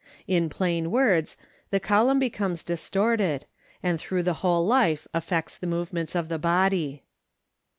In plain words, the column becomes distorted, and through the whole life affects the movements of the body.